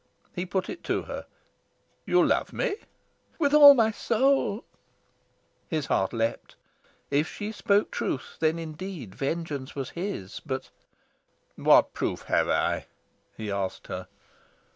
He put it to her. "You love me?" "With all my soul." His heart leapt. If she spoke truth, then indeed vengeance was his! But "What proof have I?" he asked her.